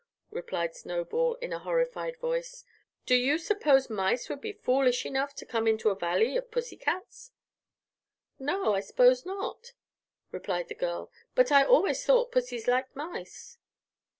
replied Snowball, in a horrified voice. "Do you suppose mice would be foolish enough to come into a Valley of Pussycats?" "No, I suppose not," replied the girl; "but I always thought pussys liked mice."